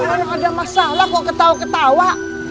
kalau ada masalah kok ketawa ketawa